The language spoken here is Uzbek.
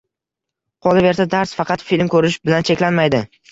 Qolaversa dars faqat film ko‘rish bilan cheklanmaydi